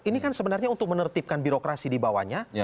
ini kan sebenarnya untuk menertibkan birokrasi dibawahnya